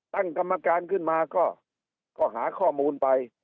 ตั้งกรรมการขึ้นมาก็หาข้อมูลไป